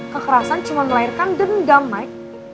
kekerasan cuma melahirkan dendam mai